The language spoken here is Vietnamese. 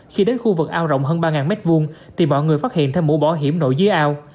khi đến khu vực ao rộng hơn ba m hai tìm bọn người phát hiện thêm mũ bỏ hiểm nổi dưới ao